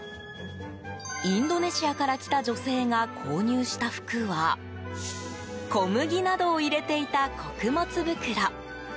インドネシアから来た女性が購入した服は小麦などを入れていた穀物袋。